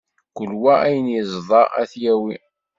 Kul wa ayen iẓda ad t-yawi.